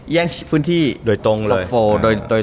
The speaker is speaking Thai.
แย่งพื้นที่โดยตรงเลย